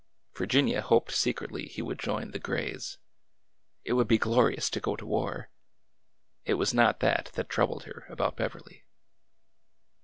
Virginia hoped secretly he would join the Grays." It would be glorious to go to war ! It was not that that troubled her I about Beverly.